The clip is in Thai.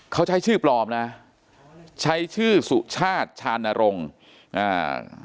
เขาใช้ชื่อปลอมนะใช้ชื่อสุชาติชานรงค์อ่า